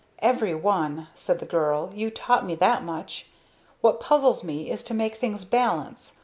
"Every one," said the girl. "You taught me that much. What puzzles me is to make things balance.